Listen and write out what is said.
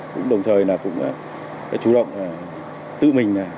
cũng đồng thời là chủ động tự mình